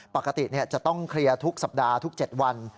ปกติจะต้องเคลียร์ทุกสัปดาห์ทุก๗วัน